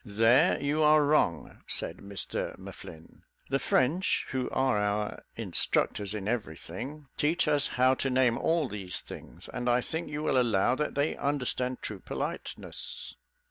"There you are wrong," said Mr M'Flinn. "The French, who are our instructors in every thing, teach us how to name all these things; and I think you will allow that they understand true politeness."